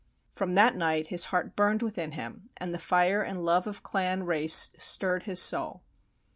From that night his heart burned within him and the fire and love of clan race stirred his soul.